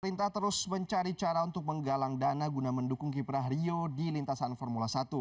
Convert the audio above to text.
pemerintah terus mencari cara untuk menggalang dana guna mendukung kiprah rio di lintasan formula satu